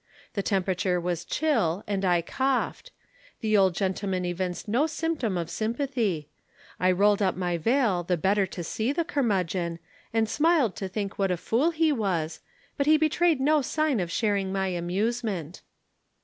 The temperature was chill and I coughed. The old gentleman evinced no symptom of sympathy. I rolled up my veil the better to see the curmudgeon, and smiled to think what a fool he was, but he betrayed no sign of sharing my amusement.